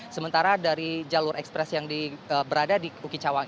sementara dari jalur ekspres yang berada di uki cawang